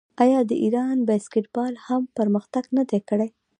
آیا د ایران باسکیټبال هم پرمختګ نه دی کړی؟